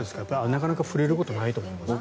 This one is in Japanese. なかなか触れることはないと思いますが。